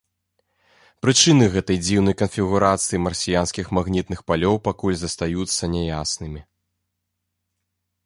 Прычыны гэтай дзіўнай канфігурацыі марсіянскіх магнітных палёў пакуль застаюцца няяснымі.